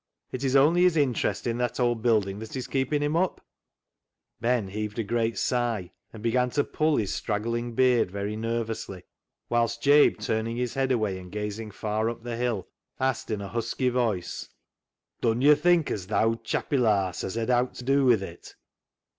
It is only his interest in that old building that is keeping him up." 356 CLOG SHOP CHRONICLES Ben heaved a great sigh, and began to pull his straggling beard very nervously, whilst Jabe, turning his head away and gazing far away up the hill, asked in a husky voice —" Dun yo' think as th' owd chapil haase 'as hed owt to dew wi' it